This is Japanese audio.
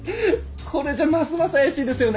これじゃますます怪しいですよね。